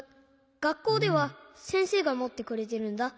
がっこうではせんせいがもってくれてるんだ。